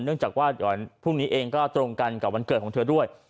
เนื่องจากว่าเดี๋ยวพรุ่งนี้เองก็ตรงกันกับวันเกิดของเธอด้วย